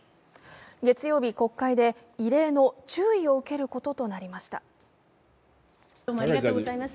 月曜日、国会で異例の注意を受けることとなりました。